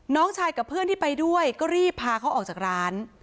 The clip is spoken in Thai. น้องชายกับเพื่อนที่ไปด้วยก็รีบพาเขาออกจากร้าน